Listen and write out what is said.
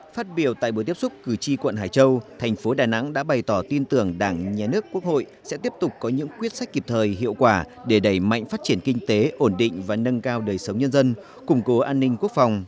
phát biểu tại buổi tiếp xúc cử tri quận hải châu thành phố đà nẵng đã bày tỏ tin tưởng đảng nhà nước quốc hội sẽ tiếp tục có những quyết sách kịp thời hiệu quả để đẩy mạnh phát triển kinh tế ổn định và nâng cao đời sống nhân dân củng cố an ninh quốc phòng